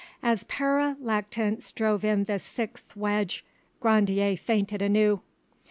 As Pere Lactance drove in the sixth wedge Grandier fainted anew.